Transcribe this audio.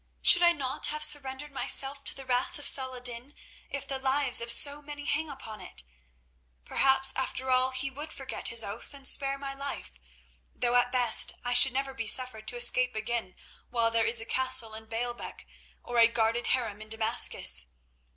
Should I not have surrendered myself to the wrath of Saladin if the lives of so many hang upon it? Perhaps, after all, he would forget his oath and spare my life, though at best I should never be suffered to escape again while there is a castle in Baalbec or a guarded harem in Damascus.